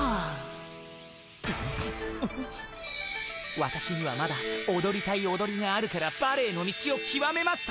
「わたしにはまだおどりたいおどりがあるからバレエの道をきわめます」と。